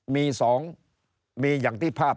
มี๒มีอย่างที่ภาพ